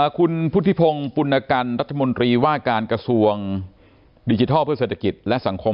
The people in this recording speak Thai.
คุณพุทธิพงศ์ปุณกันรัฐมนตรีว่าการกระทรวงดิจิทัลเพื่อเศรษฐกิจและสังคม